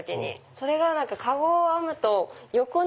それが籠を編むと横に。